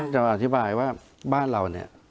จะอธิบายว่าบ้านเราเนี่ย